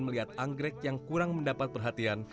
melihat anggrek yang kurang mendapat perhatian